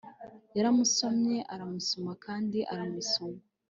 Yaramusomye aramusoma kandi aramusoma